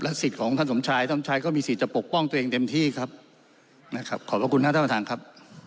สิทธิ์ของท่านสมชายท่านชายก็มีสิทธิ์จะปกป้องตัวเองเต็มที่ครับนะครับขอบพระคุณท่านท่านประธานครับ